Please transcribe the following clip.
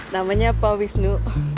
namanya pak wisnu